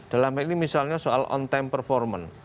dalam hal ini misalnya soal on time performance